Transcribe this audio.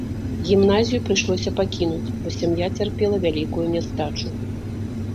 Гімназію прыйшлося пакінуць, бо сям'я цярпела вялікую нястачу.